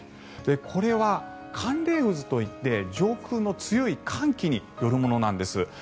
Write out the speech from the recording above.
これは寒冷渦といって上空の強い寒気によるものなんです。